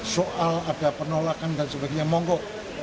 soal ada penolakan dan sebagainya monggo